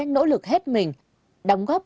nỗ lực hết mình đóng góp